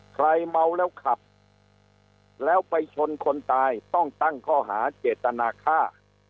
เมาแล้วขับแล้วไปชนคนตายต้องตั้งข้อหาเจตนาฆ่า